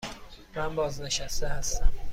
من بازنشسته هستم.